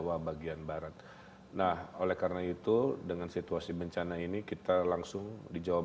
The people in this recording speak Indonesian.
usai dilandar bencana banjir